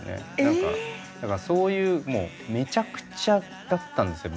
だからそういうめちゃくちゃだったんですよ